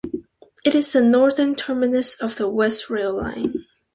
It is the northern terminus of the West Rail Line.